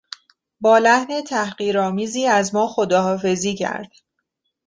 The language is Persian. با لحن تحقیرآمیزی از ما خداحافظی کرد.